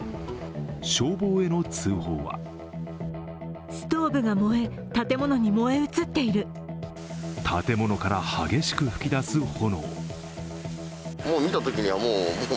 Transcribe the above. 消防への通報は建物から激しく噴き出す炎。